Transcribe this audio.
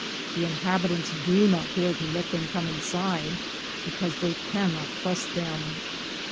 The inhabitants do not dare to let them come inside, because they can not trust them.